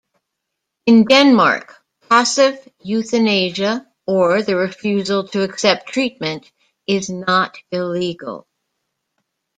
In Denmark, passive euthanasia, or the refusal to accept treatment is not illegal.